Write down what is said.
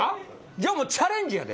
じゃあもうチャレンジやで。